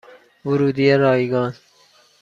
ورودی رایگان